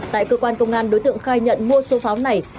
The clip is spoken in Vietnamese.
tại cơ quan công an đối tượng khai nhận mua số pháo này